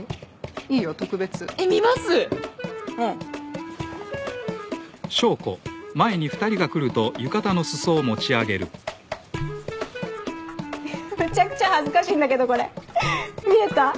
いいよ特別見ますうんむちゃくちゃ恥ずかしいんだけどこれ見えた？